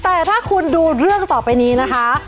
แต่ถ้าคุณดูเรื่องต่อไปนี้นะคะ